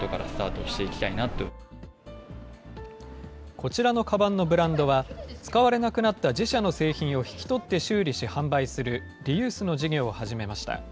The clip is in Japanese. こちらのかばんのブランドは、使われなくなった自社の製品を引き取って修理し販売する、リユースの事業を始めました。